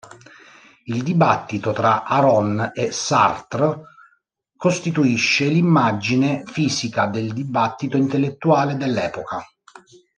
Il dibattito tra Aron e Sartre costituisce l'immagine fisica del dibattito intellettuale dell'epoca.